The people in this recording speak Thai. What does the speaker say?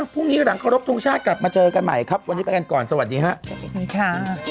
พรุ่งนี้หลังขอรบทุกชาติกลับมาเจอกันใหม่ครับวันนี้ไปกันก่อนสวัสดีค่ะ